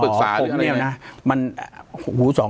ปากกับภาคภูมิ